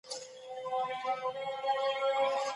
منځنۍ پېړۍ د شوالیو او جنګیالیو داستان دی.